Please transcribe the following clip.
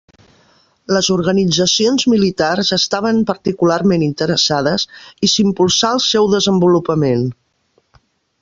Les organitzacions militars estaven particularment interessades i s'impulsà el seu desenvolupament.